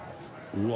「うわ！」